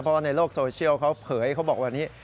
เพราะว่าในโลกโซเชียลเขาเผยเขาบอกแบบนี้